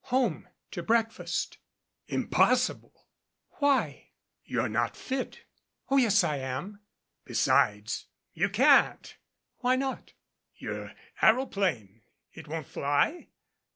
"Home to breakfast." "Impossible!" "Why?" "You're not fit " "Oh, yes, I am " "Besides, you can't " "Why not?" "Your aeroplane it won't fly?"